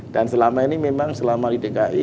dan selama ini memang selama di dki